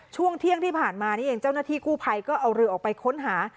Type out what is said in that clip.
ช่วงเที่ยงที่ผ่านมานี่เองเจ้าหน้าที่กู้ภัยก็เอาเรือออกไปค้นหา